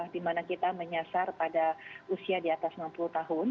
dimana kita menyasar pada usia di atas enam puluh tahun